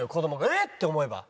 「えっ！」って思えば。